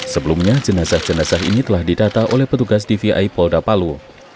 sebelumnya jenazah jenazah ini telah didata oleh petugas dvi polda palu